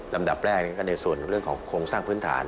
ลำดับแรกก็ในส่วนเรื่องของโครงสร้างพื้นฐาน